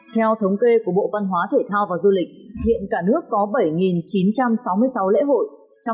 theo thống kê của bộ văn hóa thể thao và du lịch hiện cả nước có bảy chín trăm sáu mươi người dân